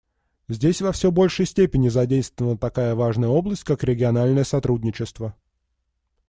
Здесь во все большей степени задействована такая важная область, как региональное сотрудничество.